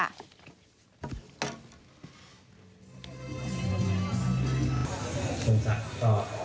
สนับต่อ